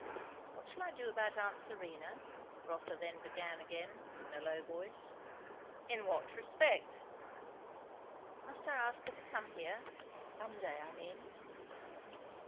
"What shall I do about aunt Serena?" Rotha then began again, in a low voice. "In what respect?" "Must I ask her to come here? Monday, I mean?"